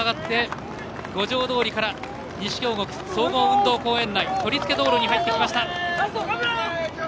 五条通から西京極総合運動公園内取り付け道路に入ってきました。